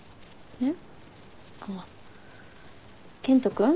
えっ？